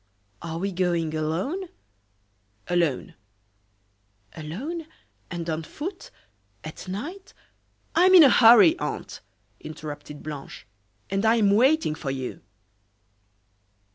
"Are we going alone?" "Alone." "Alone, and on foot, at night " "I am in a hurry, aunt," interrupted Blanche, "and I am waiting for you."